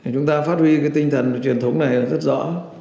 chúng ta phát huy cái tinh thần truyền thống này rất rõ